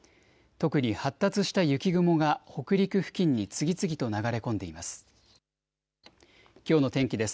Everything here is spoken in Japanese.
特に発達した雪雲が北陸付近に次々と流れ込んでいます。